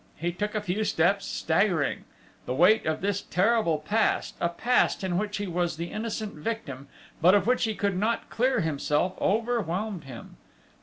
He took a few steps, staggering. The weight of this terrible past, a past in which he was the innocent victim, but of which he could not clear himself, overwhelmed him!